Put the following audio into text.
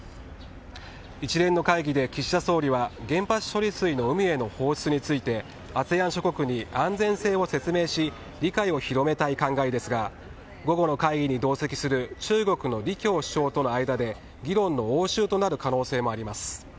一連の会議で岸田総理は原発処理水の海への放出についてＡＳＥＡＮ諸国に安全性を説明し理解を広めたい考えですが午後の会議に同席する中国の李強首相との間で議論の応酬となる可能性もあります。